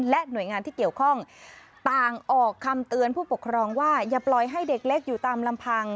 หน่วยงานที่เกี่ยวข้องต่างออกคำเตือนผู้ปกครองว่าอย่าปล่อยให้เด็กเล็กอยู่ตามลำพัง